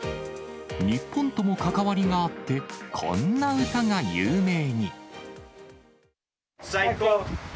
日本とも関わりがあって、こんな歌が有名に。